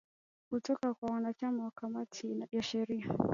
kutoka kwa wanachama wa kamati ya sheria